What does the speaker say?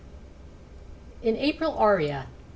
AN APRIL ARIA.